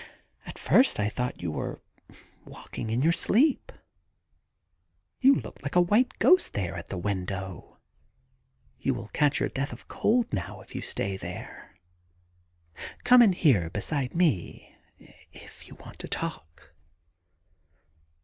At first I thought you were walking in your sleep. You looked like a white ghost there at the window. You will catch your death of cold now if you stay there. Come in here beside me if you want to talk.'